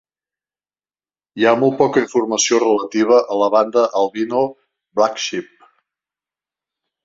Hi ha molt poca informació relativa a la banda Albino Blacksheep.